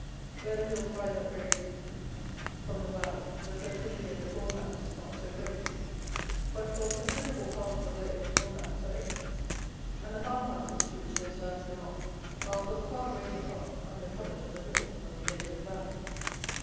Where the hills rise up very steeply from the valley the fertility of the corn lands is not so great; but for a considerable part of the way the corn lands are excellent, and the farmhouses, to which those lands belong, are, for the far greater part, under covert of the hills on the edge of the valley.